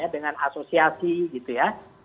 dengan asosiasi gitu ya